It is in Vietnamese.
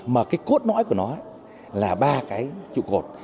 mà cốt nõi của nó là ba trụ cột